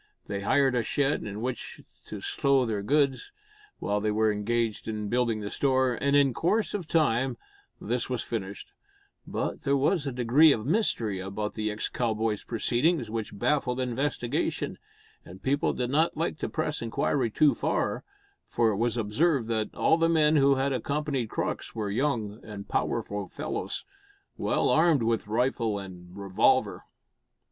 They hired a shed in which to stow their goods, while they were engaged in building a store, and in course of time this was finished; but there was a degree of mystery about the ex cowboy's proceedings which baffled investigation, and people did not like to press inquiry too far; for it was observed that all the men who had accompanied Crux were young and powerful fellows, well armed with rifle and revolver.